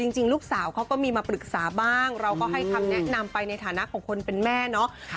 จริงลูกสาวเขาก็มีมาปรึกษาบ้างเราก็ให้คำแนะนำไปในฐานะของคนเป็นแม่เนาะ